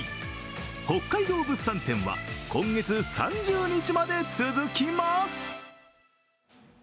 北海道物産展は、今月３０日まで続きます。